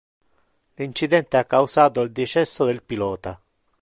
L'incidente ha causato il decesso del pilota.